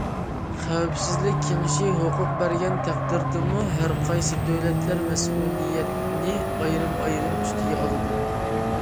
خەۋپسىزلىك كېڭىشى ھوقۇق بەرگەن تەقدىردىمۇ، ھەرقايسى دۆلەتلەر مەسئۇلىيەتنى ئايرىم- ئايرىم ئۈستىگە ئالىدۇ.